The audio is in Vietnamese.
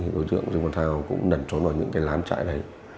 đối tượng dương quan thao cũng đẩn trốn vào những cái lán trại này